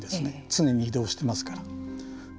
常に移動していますから。